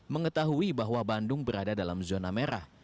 mengetahui bahwa bandung berada dalam zona merah